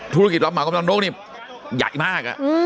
ธุรกิจรับเหมาของกำหนันนกนี่ใหญ่มาก